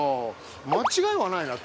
間違いはないなと。